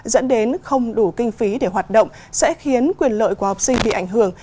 dẫn đến không đủ kinh phí để hoạt động sẽ khiến quyền lợi của học sinh bị ảnh hưởng